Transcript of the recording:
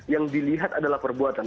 yang dilihat adalah perbuatan